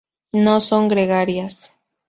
No son gregarias.